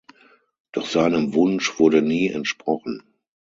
Doch seinem Wunsch wurde nie entsprochen.